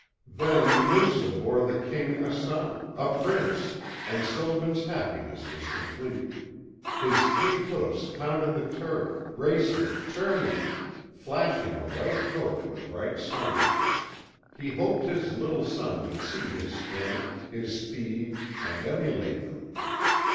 Then Moussa bore the king a son a prince and Sylvan's happiness was complete. His fleet hoofs pounded the turf, racing, turning, flashing a white coat in the bright sun. He hoped his little son would see his strength, his speed, and emulate them.